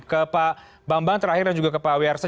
ke pak bambang terakhir dan juga ke pak wiarsa